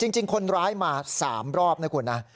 จริงคนร้ายมา๓รอบนะคุณนะ